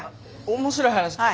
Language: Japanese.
面白い話。